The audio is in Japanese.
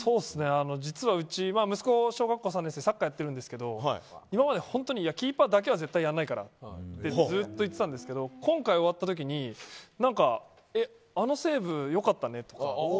実は、うちは息子小学校３年生でサッカーやってるんですが今までキーパーだけは絶対にやらないからとずっと言ってたんですが今回終わったときにあのセーブよかったねとか。